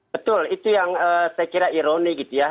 betul itu yang saya kira ironi gitu ya